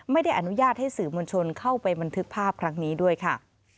ไม่ได้อนุญาตให้สื่อมวลชนเข้าไปบันทึกภาพครั้งนี้ด้วยค่ะ